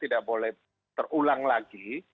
tidak boleh terulang lagi